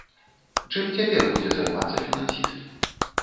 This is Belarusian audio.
Чым цяпер будзе займацца фінансіст?